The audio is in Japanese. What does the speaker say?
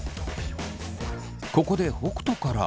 ここで北斗から。